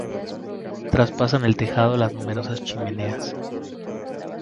Traspasan el tejado las numerosas chimeneas.